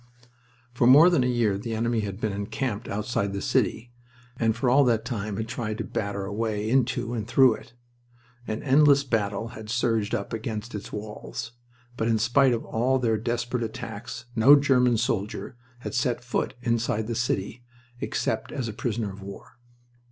For more than a year the enemy had been encamped outside the city, and for all that time had tried to batter a way into and through it. An endless battle had surged up against its walls, but in spite of all their desperate attacks no German soldier had set foot inside the city except as a prisoner of war.